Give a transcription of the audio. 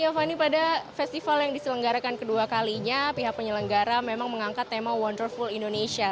ya fani pada festival yang diselenggarakan kedua kalinya pihak penyelenggara memang mengangkat tema wonderful indonesia